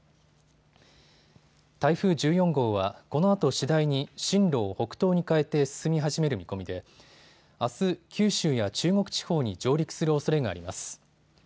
台風１４号はこのあと次第に進路を北東に変えて進み始める見込みであす、九州や中国地方に上陸するおそれがあります。